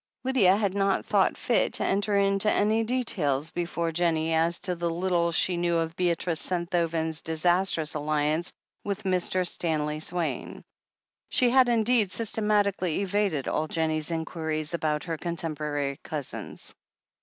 Lydia had not thought fit to enter into any details before Jennie as to the little she knew of Beatrice Senthoven's disastrous alliance with Mr. Stanley THE HEEL OF ACHILLES 431 Swaine. She had indeed systematically evaded all Jennie's inquiries about her contemporary cousins.